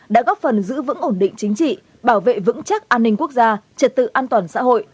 đã góp phần giữ vững ổn định chính trị bảo vệ vững chắc an ninh quốc gia trật tự an toàn xã hội